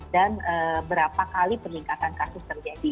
dan berapa kali peningkatan kasus terjadi